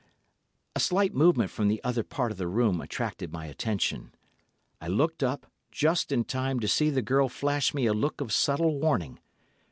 A slight movement from the other part of the room attracting my attention, I looked up, just in time to see the girl flash me a look of subtle warning.